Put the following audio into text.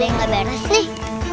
ya agak ada yang beres nih